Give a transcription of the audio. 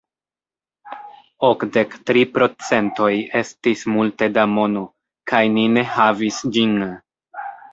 Okdek tri procentoj estis multe da mono, kaj ni ne havis ĝin.